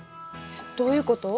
どういうこと？